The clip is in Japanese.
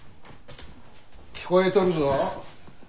聞こえとるぞ。